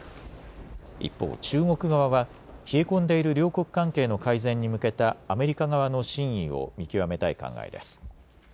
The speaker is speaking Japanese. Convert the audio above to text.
一方、中国側は冷え込んでいる両国関係の改善に向けたアメリカ側の真意を見極めたい考えです。